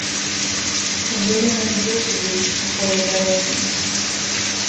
Чаго яна ідзе сюды, у поле да рэчкі?